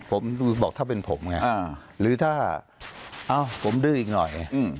ผมบอกถ้าเป็นผมไงหรือถ้าเอ้าผมดื้ออีกหน่อย